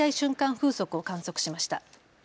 風速を観測しました。